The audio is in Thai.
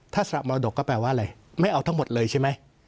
ถ้าสละมรดกก็แปลว่าอะไรไม่เอาทั้งหมดเลยใช่ไหม